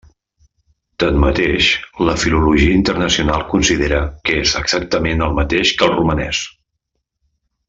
Tanmateix, la filologia internacional considera que és exactament el mateix que el romanès.